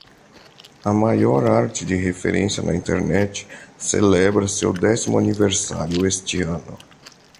A maior arte de referência na Internet celebra seu décimo aniversário este ano.